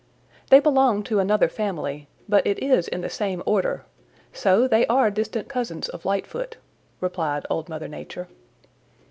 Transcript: "They belong to another family, but it is in the same order. So they are distant cousins of Lightfoot," replied Old Mother Nature.